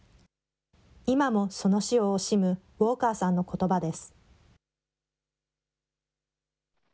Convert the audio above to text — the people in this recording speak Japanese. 今もその死を惜しむウォーカーさんのことばです。